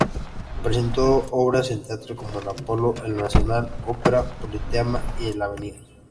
Presentó obras en teatros como El Apolo, El Nacional, Ópera, Politeama y el Avenida.